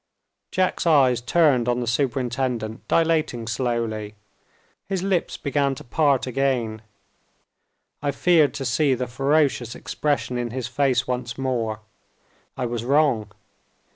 Jack's eyes turned on the superintendent, dilating slowly. His lips began to part again I feared to see the ferocious expression in his face once more. I was wrong.